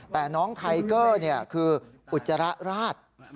แต่น้องไทเกอร์คืออุจจาระราช